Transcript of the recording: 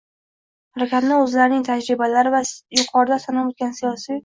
harakatni o‘zlarining tajribalari va yuqorida sanab o‘tilgan siyosiy